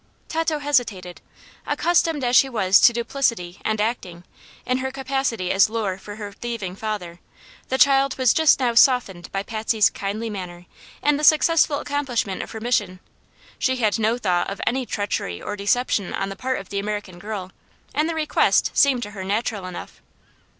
Tato hesitated. Accustomed as she was to duplicity and acting, in her capacity as lure for her thieving father, the child was just now softened by Patsy's kindly manner and the successful accomplishment of her mission. She had no thought of any treachery or deception on the part of the American girl, and the request seemed to her natural enough.